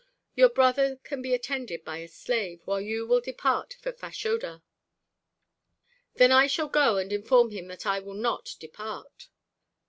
Your brother can be attended by a slave, while you will depart for Fashoda." "Then I shall go and inform him that I will not depart."